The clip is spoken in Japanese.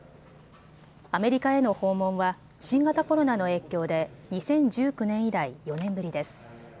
アメリカへの訪問は新型コロナの影響で２０１９年以来、４年ぶりです。